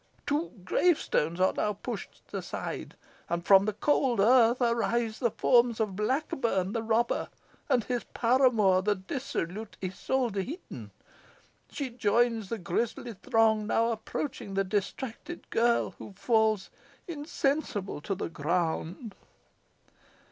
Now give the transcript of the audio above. Two gravestones are now pushed aside, and from the cold earth arise the forms of Blackburn, the robber, and his paramour, the dissolute Isole de Heton. She joins the grisly throng now approaching the distracted girl, who falls insensible to the ground."